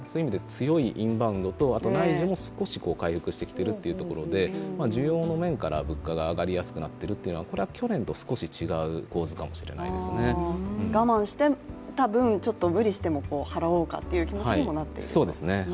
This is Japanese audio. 強いインバウンドとあと内需も少し回復しているということで需要の面から物価が上がりやすくなっているというのはこれは去年と少し違う構図かもしれないですね我慢していた分、無理しても払おうかという気持ちになっている。